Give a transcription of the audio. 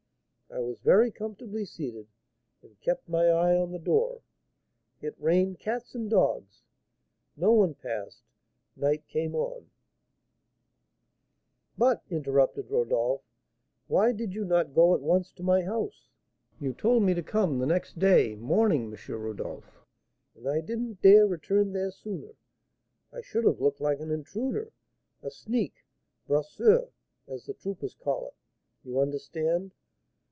I was very comfortably seated, and kept my eye on the door. It rained cats and dogs; no one passed; night came on " "But," interrupted Rodolph, "why did you not go at once to my house?" "You told me to come the next day morning, M. Rodolph, and I didn't dare return there sooner; I should have looked like an intruder, a sneak (brosseur), as the troopers call it. You understand?